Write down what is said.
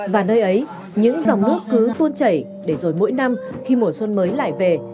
và nơi ấy những dòng nước cứ tuôn chảy để rồi mỗi năm khi mùa xuân mới lại về